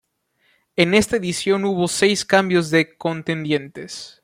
En esta edición hubo seis cambios de contendientes.